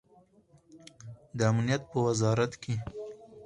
د امنیت په وزارت کې